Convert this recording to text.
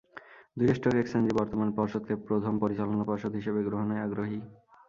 দুই স্টক এক্সচেঞ্জই বর্তমান পর্ষদকে প্রথম পরিচালনা পর্ষদ হিসেবে গ্রহণে আগ্রহী।